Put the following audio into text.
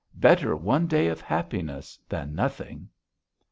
Better one day of happiness than nothing."